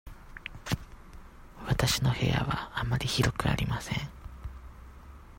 わたしの部屋はあまり広くありません。